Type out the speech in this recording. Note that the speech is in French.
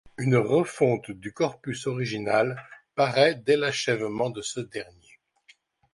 Une refonte du corpus original paraît dès l’achèvement de ce dernier.